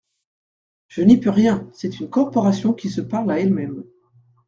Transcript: Je n’y peux rien : c’est une corporation qui se parle à elle-même.